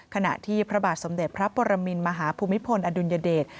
ขณะที่พระบาทสมเด็จพระปรมินมหาภูมิพลอดุลยเดช